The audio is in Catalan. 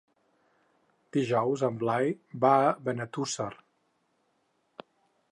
Dijous en Blai va a Benetússer.